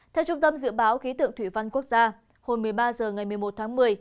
theo trung tâm dự báo khí tượng thủy văn quốc gia hồi một mươi ba h ngày một mươi một tháng một mươi